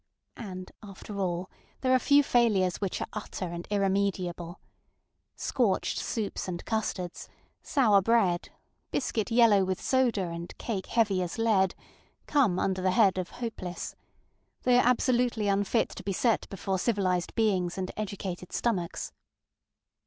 And, after all, there are few failures which are utter and irremediable. Scorched soups and custards, sour bread, biscuit yellow with soda, and cake heavy as lead, come under the head of ŌĆ£hopeless. ŌĆØ They are absolutely unfit to be set before civilized beings and educated stomachs.